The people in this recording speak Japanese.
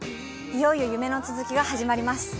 いよいよ夢の続きが始まります。